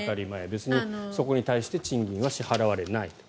別にそこに対して賃金は支払われないと。